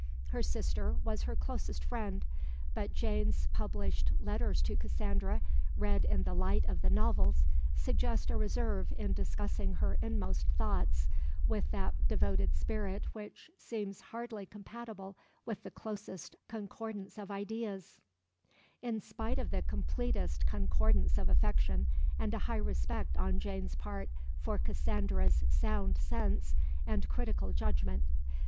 Her sister was her closest friend, but Jane's published letters to Cassandra, read in the light of the novels, suggest a reserve in discussing her inmost thoughts with that devoted spirit which seems hardly compatible with the closest concordance of ideas, in spite of the completest concordance of affection and a high respect on Jane's part for Cassandra's sound sense and critical judgment.